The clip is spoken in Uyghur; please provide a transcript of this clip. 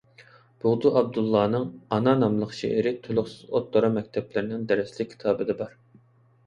بۇغدا ئابدۇللانىڭ «ئانا» ناملىق شېئىرى تولۇقسىز ئوتتۇرا مەكتەپلەرنىڭ دەرسلىك كىتابىدا بار.